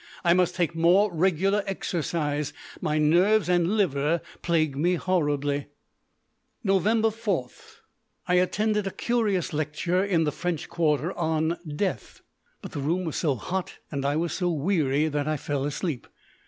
I must take more regular exercise; my nerves and liver plague me horribly. Nov. 4. I attended a curious lecture in the French quarter on "Death", but the room was so hot and I was so weary that I fell asleep.